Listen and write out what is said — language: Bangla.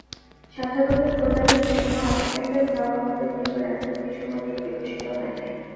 সাধারণের কল্যাণের জন্য আত্মত্যাগের ভাব আমাদের ভিতর এখনও কিছুমাত্র বিকশিত হয় নাই।